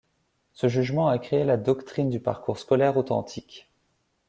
Ce jugement a créé la doctrine du parcours scolaire authentique.